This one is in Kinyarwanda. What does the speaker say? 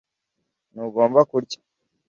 ntugomba kurya